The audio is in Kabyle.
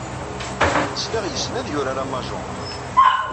Sliɣ yessen ad yurar amahjong.